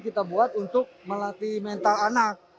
kita bisa melatih motorik untuk melatih mental anak